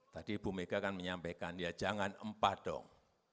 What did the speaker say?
tadi bu mega kan menyampaikan ya jangan empah dong